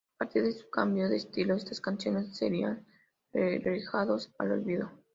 A partir de su cambio de estilo, estas canciones serían relegadas al olvido.